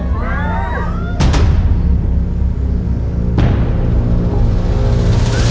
ใก่